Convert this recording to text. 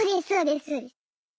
そうです。